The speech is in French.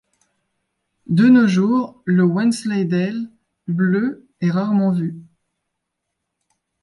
De nos jours, le wensleydale bleu est rarement vu.